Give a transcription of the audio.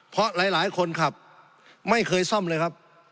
เพราะหลายคนขับไม่เคยซ่อมเลยครับ